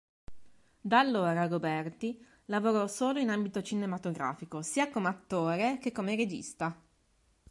Da allora Roberti lavorò solo in ambito cinematografico, sia come attore che come regista.